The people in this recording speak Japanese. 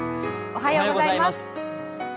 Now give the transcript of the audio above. おはようございます。